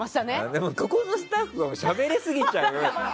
でも、ここのスタッフはしゃべりすぎちゃう。